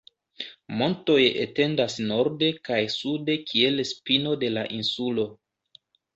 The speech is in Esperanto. Montoj etendas norde kaj sude kiel spino de la insulo.